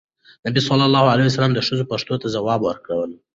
نبي ﷺ د ښځو پوښتنو ته ځواب ورکول.